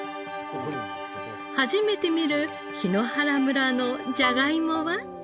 初めて見る檜原村のじゃがいもは？